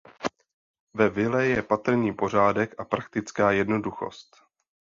Ve vile je patrný pořádek a praktická jednoduchost.